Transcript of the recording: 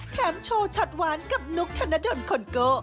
แถมโชว์ช็อตหวานกับนุ๊กธนดลคอนโก